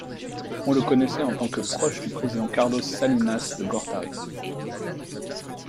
On le connaissait en tant que proche du président Carlos Salinas de Gortari.